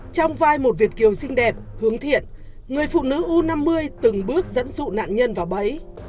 trong vai một việt kiều xinh đẹp hướng thiện người phụ nữ u năm mươi từng bước dẫn dụ nạn nhân vào bẫy